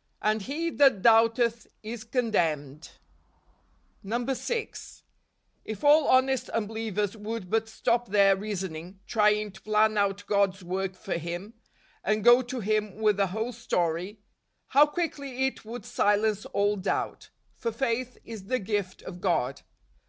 " And he that doubteth is condemned ." DECEMBER. 137 6. If all honest unbelievers would but stop their reasoning, trying to plan out God's work for Kim, and go to Him with the whole story, how quickly it would silence all doubt. For faith is the gift of God.